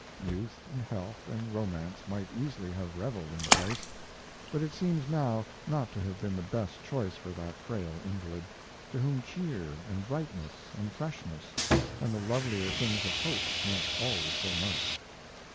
Youth and health and romance might easily have reveled in the place; but it seems now not to have been the best choice for that frail invalid, to whom cheer and brightness and freshness and the lovelier things of hope meant always so much.